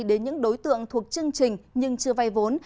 đến những đối tượng thuộc chương trình nhưng chưa vay vốn